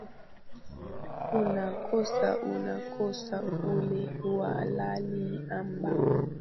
unakosa unakosa ule uhalali ambao